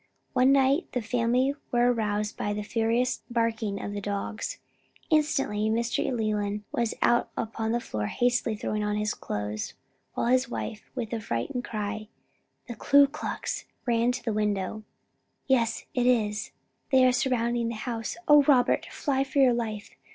One night the family were aroused by the furious barking of the dogs. Instantly Mr. Leland was out upon the floor hastily throwing on his clothes, while his wife, with the frightened cry. "The Ku Klux!" ran to the window. "Yes it is! they are surrounding the house! O Robert, fly for your life!"